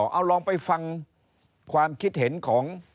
เอาลองไปฟังความคิดเห็นของ